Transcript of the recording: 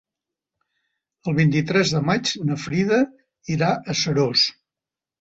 El vint-i-tres de maig na Frida irà a Seròs.